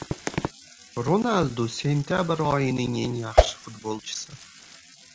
Ronaldu — sentyabr oyining eng yaxshi futbolchisi